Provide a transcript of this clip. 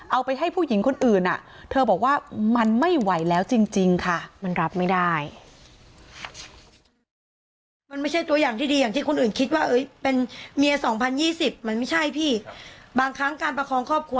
เอาไปให้ผู้หญิงคนอื่นเธอบอกว่ามันไม่ไหวแล้วจริงค่ะมันรับไม่ได้